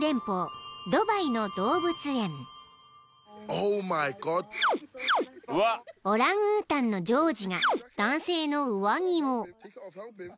［オランウータンのジョージが男性の上着を］